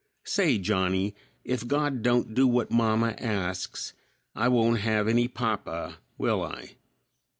Say, Johnny, if God don't do what mamma asks I won't have any papa, will I?"